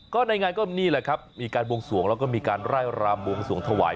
ก็ในงานก็นี่แหละครับมีการบวงสวงแล้วก็มีการไล่รำวงสวงถวาย